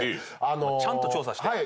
ちゃんと調査して。